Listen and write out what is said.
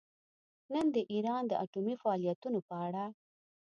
نن د ایران د اټومي فعالیتونو په اړه